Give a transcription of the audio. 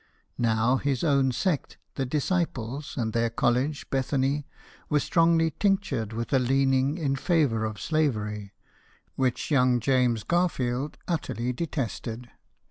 Now, his own sect, the Disciples, and their college, Bethany, were strongly tinctured with a lean ing in favour of slavery, which young James Garfield utterly detested.